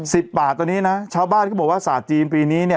สิบบาทตอนนี้นะชาวบ้านก็บอกว่าศาสตร์จีนปีนี้เนี่ย